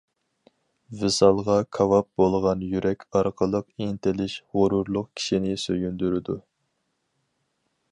ۋىسالغا كاۋاپ بولغان يۈرەك ئارقىلىق ئىنتىلىش غۇرۇرلۇق كىشىنى سۆيۈندۈرىدۇ.